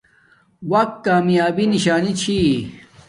وقت کامیابی نشانی چھی